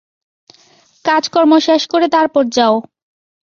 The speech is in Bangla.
কাজকর্ম শেষ করে তারপর যাও।